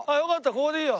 ここでいいよ。